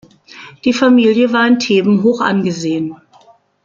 Die Familie war in Theben hoch angesehen.